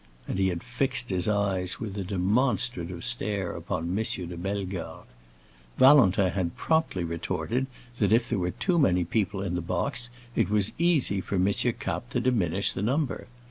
And he had fixed his eyes with a demonstrative stare upon M. de Bellegarde. Valentin had promptly retorted that if there were too many people in the box it was easy for M. Kapp to diminish the number.